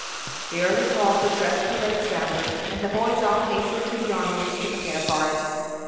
The early call for dress parade sounded, and the boys all hasted to the armories to prepare for it.